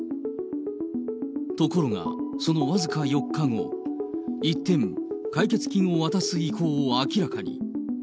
ところが、その僅か４日後、一転、解決金を渡す意向を明らかに。